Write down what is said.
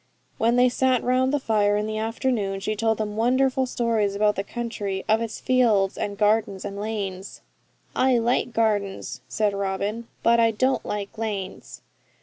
When they sat round the fire in the afternoon she told them wonderful stories about the country of its fields, and gardens, and lanes. 'I like gardens,' said Robin, 'but I don't like lanes.'